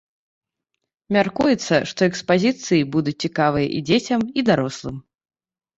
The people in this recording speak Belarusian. Мяркуецца, што экспазіцыі будуць цікавыя і дзецям і дарослым.